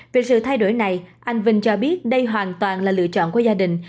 về sự thay đổi này anh vinh cho biết đây hoàn toàn là lựa chọn của gia đình